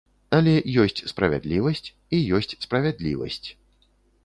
Але ёсць справядлівасць і ёсць справядлівасць.